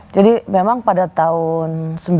jadi memang pada tahun